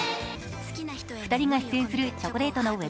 ２人が出演するチョコレートのウェブ